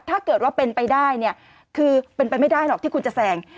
ถ้าเกิดว่าเป็นไปได้เนี่ยคือเป็นไปไม่ได้หรอกที่คุณจะแซง